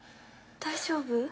大丈夫？